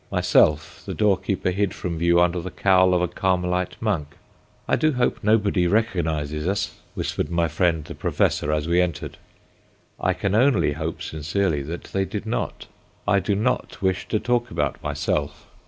Myself the doorkeeper hid from view under the cowl of a Carmelite monk. "I do hope nobody recognises us," whispered my friend the professor as we entered. I can only hope sincerely that they did not. I do not wish to talk about myself.